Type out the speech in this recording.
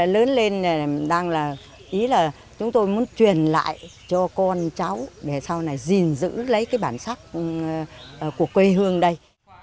lớn lên đang là ý là chúng tôi muốn truyền lại cho con cháu để sau này gìn giữ lấy cái bản sắc của quê hương đây